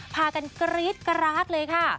พากันกรี๊ดกราดเลยค่ะ